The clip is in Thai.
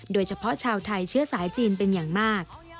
โดยเฉพาะชาวไทยเชื้อสายจีนเป็นอย่างมาก